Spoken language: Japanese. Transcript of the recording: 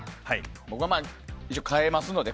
僕は一応、変えますので。